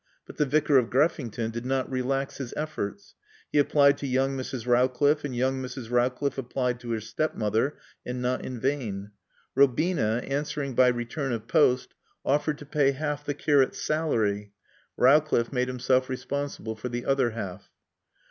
But the Vicar of Greffington did not relax his efforts. He applied to young Mrs. Rowcliffe, and young Mrs. Rowcliffe applied to her step mother, and not in vain. Robina, answering by return of post, offered to pay half the curate's salary. Rowcliffe made himself responsible for the other half.